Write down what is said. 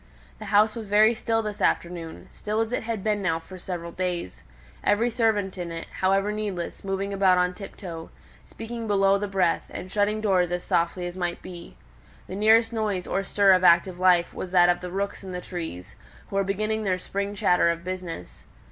The house was very still this afternoon, still as it had been now for several days; every servant in it, however needlessly, moving about on tiptoe, speaking below the breath, and shutting doors as softly as might be. The nearest noise or stir of active life was that of the rooks in the trees, who were beginning their spring chatter of business.